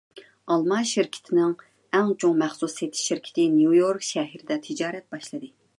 ئالما شىركىتىنىڭ ئەڭ چوڭ مەخسۇس سېتىش شىركىتى نيۇ يورك شەھىرىدە تىجارەت باشلىدى.